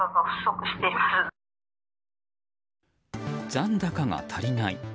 残高が足りない。